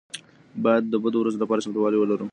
باید د بدو ورځو لپاره چمتووالی ولرو.